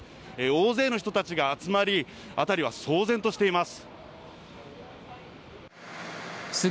大勢の人たちが集まり辺りは騒然としています。